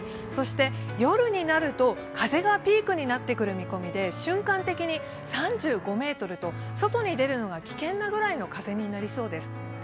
そして夜になると、風がピークになってくる見込みで瞬間的に３５ｍと外に出るのが危険なぐらいの風になりそうです。